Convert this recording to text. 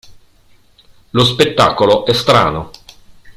Lo spettacolo è strano.